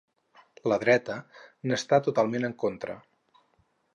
La dreta n'està totalment en contra.